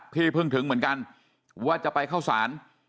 เพิ่งถึงเหมือนกันว่าจะไปเข้าสาร